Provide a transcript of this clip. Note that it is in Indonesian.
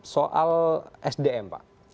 soal sdm pak